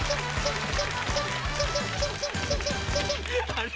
あれ？